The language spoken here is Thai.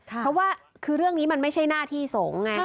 เพราะว่าคือเรื่องนี้มันไม่ใช่หน้าที่สงฆ์ไง